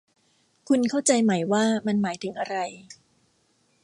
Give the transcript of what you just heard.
คุณเข้าใจไหมว่ามันหมายถึงอะไร